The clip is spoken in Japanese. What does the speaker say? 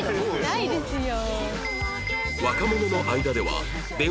ないですよ。